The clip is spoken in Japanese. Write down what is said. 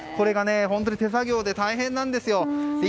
本当に、手作業で大変なんですよ。